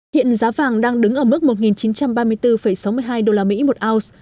hiện giá vàng đang đứng ở mức một chín trăm ba mươi bốn sáu mươi hai đô la mỹ một ounce